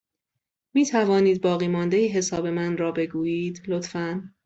می توانید باقیمانده حساب من را بگویید، لطفا؟